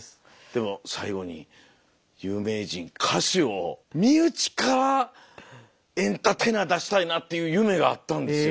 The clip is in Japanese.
でも最後に有名人歌手を身内からエンターテイナー出したいなっていう夢があったんですよ。